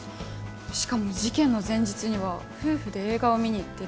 しかも事件の前日には夫婦で映画を見に行ってる。